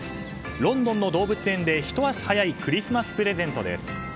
ロンドンの動物園でひと足早いクリスマスプレゼントです。